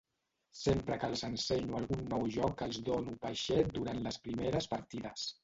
Sempre que els ensenyo algun nou joc els dono peixet durant les primeres partides.